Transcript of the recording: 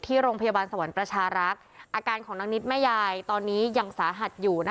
ที่โรงพยาบาลสวรรค์ประชารักษ์อาการของนางนิดแม่ยายตอนนี้ยังสาหัสอยู่